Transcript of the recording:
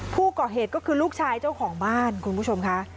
ผู้ก่อเหตุก็คือลูกชายเจ้าของบ้านคุณผู้ชมค่ะ